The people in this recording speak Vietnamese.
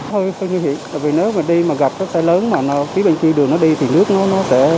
hơi nguy hiểm bởi vì nếu mà đi mà gặp cái xe lớn mà phía bên kia đường nó đi thì nước nó sẽ